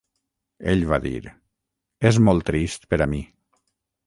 Ell va dir: "És molt trist per a mi."